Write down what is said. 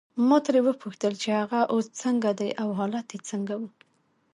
ما ترې وپوښتل چې هغه اوس څنګه دی او حالت یې څنګه وو.